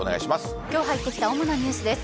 今日入ってきた主なニュースです。